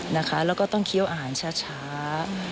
แล้วก็ต้องเคี้ยวอาหารช้า